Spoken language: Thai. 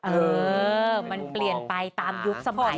เออมันเปลี่ยนไปตามยุคสมัย